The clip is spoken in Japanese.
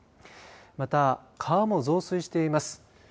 また、川も増水しています。